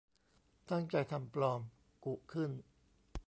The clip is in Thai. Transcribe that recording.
ตั้งใจทำปลอม กุขึ้น